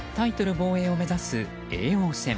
防衛を目指す叡王戦。